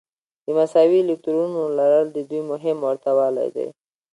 د مساوي الکترونونو لرل د دوی مهم ورته والی دی.